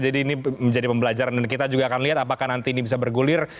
jadi ini menjadi pembelajaran dan kita juga akan lihat apakah nanti ini bisa bergulir